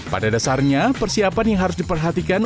pada dasarnya persiapan yang harus diperhatikan